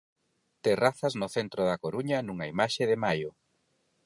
Terrazas no centro da Coruña nunha imaxe de maio.